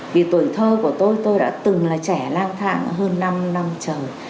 vì tuổi thơ của tôi tôi đã từng là trẻ lang thang hơn năm năm trời